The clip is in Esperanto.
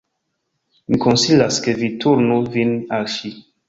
Mi konsilas ke vi turnu vin al ŝi."